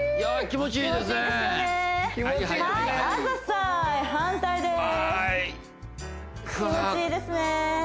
気持ちいいですね